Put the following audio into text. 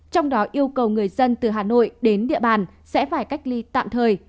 trong đó yêu cầu người dân từ hà nội đến địa bàn sẽ phải cách ly tạm thời